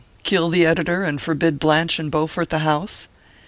Kill the editor, and forbid Blanche and Bowfort the house?"